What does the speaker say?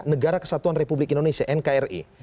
negara kesatuan republik indonesia nkri